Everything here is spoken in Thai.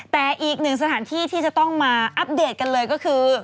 แต่อีกหนึ่งสถานที่ที่จะต้องมาอัปเดตกันเลยก็คือ